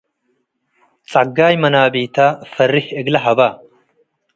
ጸጋይ መናቢታ - ፈርህ እግለ ሀበ